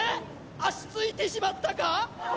足ついてしまったか？